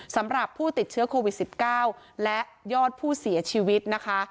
สำหรับผู้ติดเชื้อโควิด๑๙และยอดผู้เสียชีวิตนะคะ